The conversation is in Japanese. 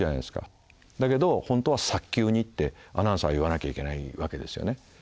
だけどほんとは「早急に」ってアナウンサーは言わなきゃいけない訳ですよね。